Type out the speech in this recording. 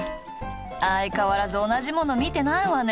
相変らず同じものを見てないわネ。